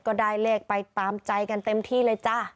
ก็ได้เลขไปตามใจกันเต็มที่เลยจ้ะ